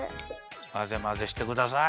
まぜまぜしてください。